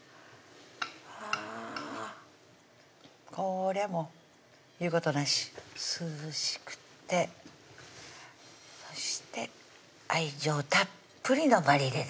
はぁこりゃもう言うことなし涼しくってそして愛情たっぷりのマリネです